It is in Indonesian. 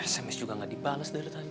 sms juga gak dibalas dari tadi